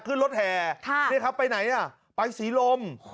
ขึ้นรถแห่ไปไหนนะไปสีลม